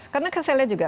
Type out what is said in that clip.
karena keselnya juga